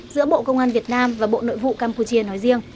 giữa bộ công an việt nam và bộ nội vụ campuchia nói riêng